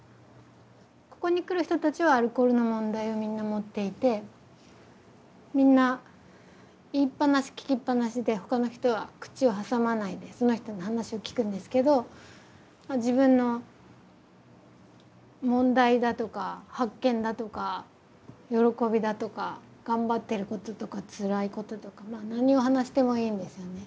ここに来る人たちはアルコールの問題をみんな持っていてみんな言いっぱなし聞きっぱなしで他の人は口を挟まないでその人の話を聞くんですけど自分の問題だとか発見だとか喜びだとか頑張ってることとかつらいこととか何を話してもいいんですよね。